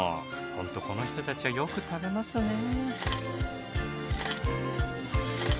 ホントこの人たちはよく食べますね。